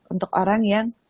untuk orang yang